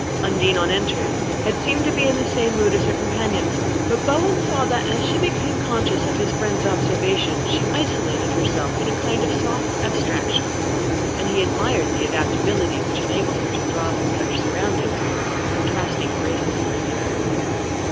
Undine, on entering, had seemed to be in the same mood as her companions; but Bowen saw that, as she became conscious of his friend's observation, she isolated herself in a kind of soft abstraction; and he admired the adaptability which enabled her to draw from such surroundings the contrasting graces of reserve.